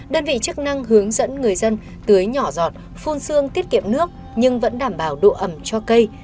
đơn vị chức năng hướng dẫn người dân tưới nhỏ giọt phun xương tiết kiệm nước nhưng vẫn đảm bảo độ ẩm cho cây